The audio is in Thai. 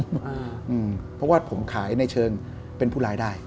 เพราะว่าผมขายในเชิงเป็นผู้ร้ายได้